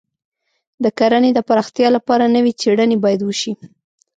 د کرنې د پراختیا لپاره نوې څېړنې باید وشي.